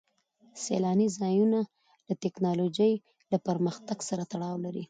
سیلاني ځایونه د تکنالوژۍ له پرمختګ سره تړاو لري.